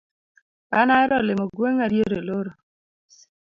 an ahero limo gweng'a diere loro.